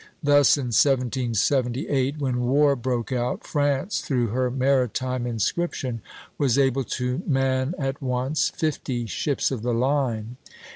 Thus in 1778, when war broke out, France, through her maritime inscription, was able to man at once fifty ships of the line.